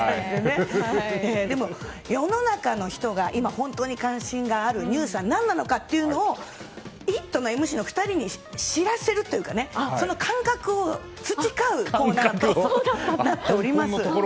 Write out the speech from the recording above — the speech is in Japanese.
でも、世の中の人が今、本当に関心があるニュースは何なのかというのを「イット！」のＭＣの２人に知らせるというかその感覚を培うコーナーとなっております。